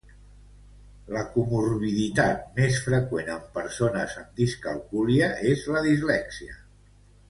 La comorbiditat més freqüent en persones amb discalcúlia és la dislèxia.